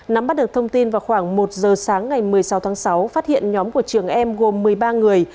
nắm bắt được thông tin vào khoảng một giờ sáng ngày một mươi sáu tháng sáu phát hiện nhóm của trường em gồm một mươi ba người